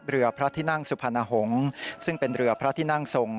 เรือพระที่นั่งสุพรรณหงษ์ซึ่งเป็นเรือพระที่นั่งทรง